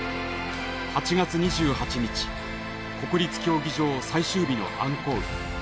８月２８日国立競技場最終日のアンコール。